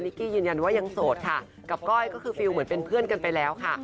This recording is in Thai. กี้ยืนยันว่ายังโสดค่ะกับก้อยก็คือฟิลเหมือนเป็นเพื่อนกันไปแล้วค่ะ